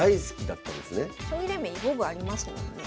将棋連盟囲碁部ありますもんね。